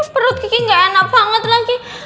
perut kiki gak enak banget lagi